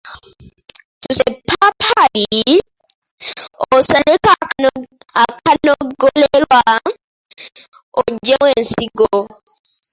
Susa eppaapaali, osaleko akanogolerwa, oggyemu ensigo.